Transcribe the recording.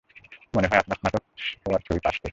মনে হয় আপনার স্নাতক হওয়ার ছবির পাশ থেকে।